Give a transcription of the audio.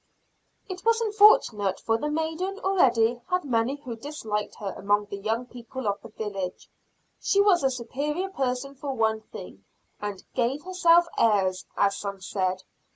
It was unfortunate, for the maiden already had many who disliked her among the young people of the village. She was a superior person for one thing, and "gave herself airs," as some said.